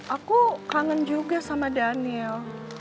aku kangen juga sama daniel